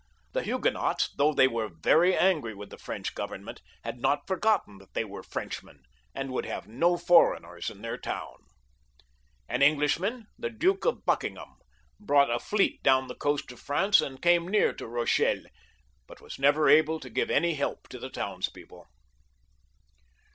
The Huguenots, though they were angry with the French Government, had not forgotten that 5CLII.] LOUIS XIIL 323 they were Frenchmen, and would have no foreigners in their town. An Englishman, the Duke of Buckingham, brought a fleet down the coast of France, and came near to Eochelle, but was never able to give any help to the towns people.